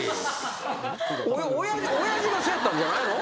親父もせやったんじゃないの？